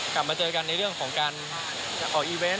กลับมาเจอกันในเรื่องของการจะออกอีเวนต์